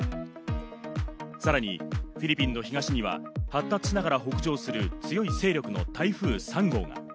さらにフィリピンの東には発達しながら北上する、強い勢力の台風３号が。